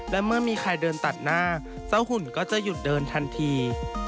และเมื่อมีใครเดินตัดหน้าเจ้าหุ่นก็จะหยุดเดินทันที